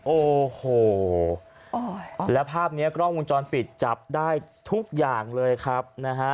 โอ้โหแล้วภาพนี้กล้องวงจรปิดจับได้ทุกอย่างเลยครับนะฮะ